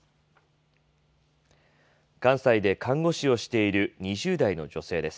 関西で看護師をしている２０代の女性です。